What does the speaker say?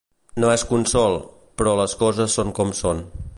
No és consol, però les coses són com són.